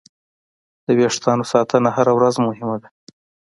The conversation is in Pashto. د وېښتیانو ساتنه هره ورځ مهمه ده.